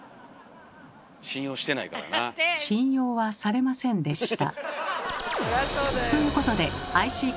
信用はされませんでした。